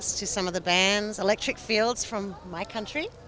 saya suka menari dengan beberapa band dari latar belakang dari negara saya